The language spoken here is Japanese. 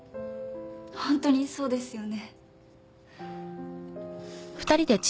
ほんとにそうですよね。